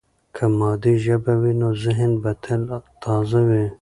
که مادي ژبه وي، نو ذهن به تل تازه وي.